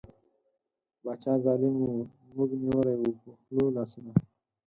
باچا ظالیم وو موږ نیولي وو په خوله لاسونه